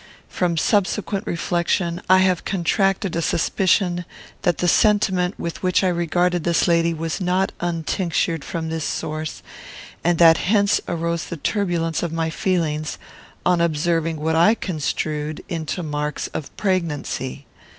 From subsequent reflection, I have contracted a suspicion that the sentiment with which I regarded this lady was not untinctured from this source, and that hence arose the turbulence of my feelings on observing what I construed into marks of pregnancy.